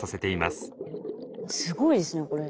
すごいですねこれ。